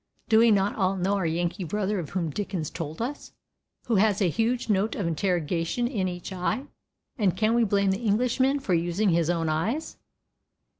Do we not all know our Yankee brother of whom Dickens told us, who has a huge note of interrogation in each eye, and can we blame the Englishman for using his own eyes?